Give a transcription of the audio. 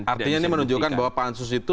artinya ini menunjukkan bahwa pansus itu